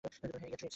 ইয়া, ট্রিক্সি!